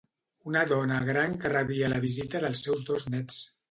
Una dona gran que rebia la visita dels seus dos néts.